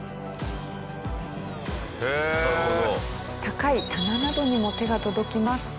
高い棚などにも手が届きます。